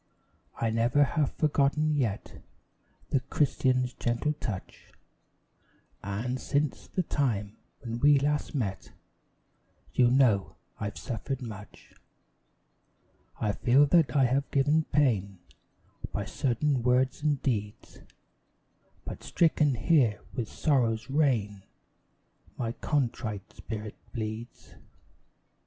I never have forgotten yet The Christian's gentle touch; And, since the time when last we met, You know I've suffered much. I feel that I have given pain By certain words and deeds, But stricken here with Sorrow's rain, My contrite spirit bleeds.